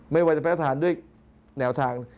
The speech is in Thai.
ไม่ว่าจะพระราชทานด้วยแนวทาง